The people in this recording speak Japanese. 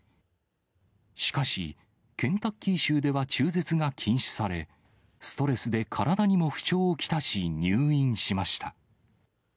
しかし、ケンタッキー州では中絶が禁止され、ストレスで体にも不調を来し入院しました。